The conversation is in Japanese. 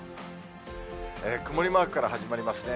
曇りマークから始まりますね。